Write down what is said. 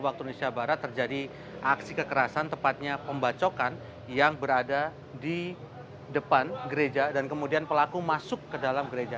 waktu indonesia barat terjadi aksi kekerasan tepatnya pembacokan yang berada di depan gereja dan kemudian pelaku masuk ke dalam gereja